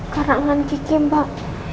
karangan kiki mbak